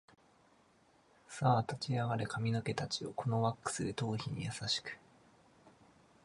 さあ立ち上がれ髪の毛たちよ、このワックスで頭皮に優しく